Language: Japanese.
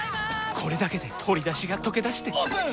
これだけで鶏だしがとけだしてオープン！